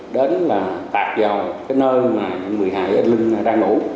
đến là tạp vào cái nơi mà người bị hại lưng đang ngủ